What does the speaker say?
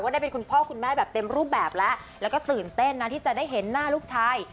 ได้เป็นคุณพ่อคุณแม่แบบเต็มรูปแบบแล้วแล้วก็ตื่นเต้นนะที่จะได้เห็นหน้าลูกชาย